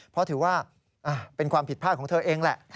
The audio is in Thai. เพราะถือว่าเป็นความผิดพลาดของเธอเองแหละ